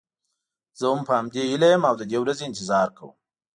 زه هم په همدې هیله یم او د دې ورځې انتظار کوم.